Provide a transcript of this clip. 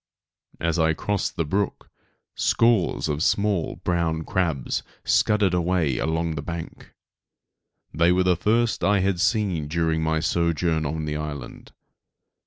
As I crossed the brook, scores of small brown crabs scudded away along the bank. They were the first I had seen during my sojourn on the island.